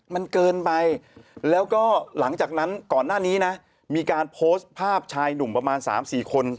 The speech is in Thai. มันเกินไปแล้วก็หลังจากนั้นก่อนหน้านี้นะมีการโพสต์ภาพชายหนุ่มประมาณ๓๔คน